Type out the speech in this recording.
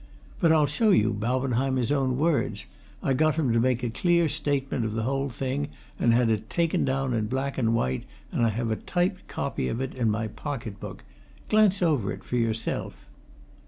But I'll show you Baubenheimer's own words I got him to make a clear statement of the whole thing and had it taken down in black and white, and I have a typed copy of it in my pocket book glance it over for yourself."